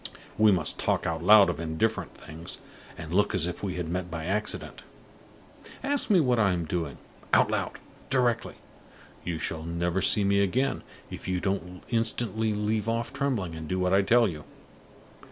We must talk out loud of indifferent things, and look as if we had met by accident. Ask me what I am doing. Out loud! Directly! You shall never see me again, if you don't instantly leave off trembling and do what I tell you!"